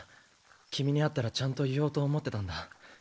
君に会ったらちゃんと言おうと思ってたんだ。